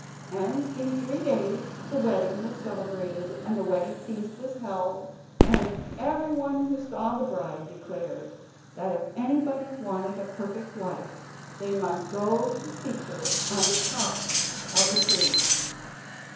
And in three days the wedding was celebrated, and the wedding feast was held, and everyone who saw the bride declared that if anybody wanted a perfect wife they must go to seek her on top of a tree.